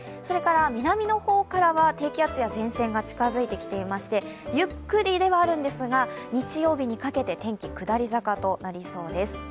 南の方からは低気圧や前線が近づいてきていまして、ゆっくりではあるんですが日曜日にかけて天気、下り坂となりそうです。